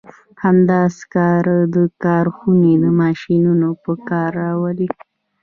همدا سکاره د کارخونې ماشینونه په کار راولي.